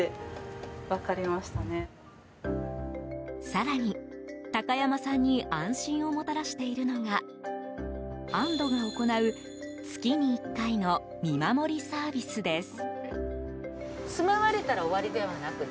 更に、高山さんに安心をもたらしているのがあんどが行う月に１回の見守りサービスです。